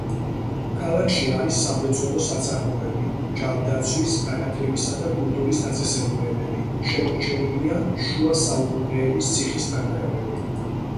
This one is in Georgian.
ქალაქში არის სამრეწველო საწარმოები, ჯანდაცვის, განათლებისა და კულტურის დაწესებულებები, შემორჩენილია შუა საუკუნეების ციხის ნანგრევები.